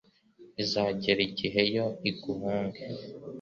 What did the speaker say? izagera igihe yo iguhunge.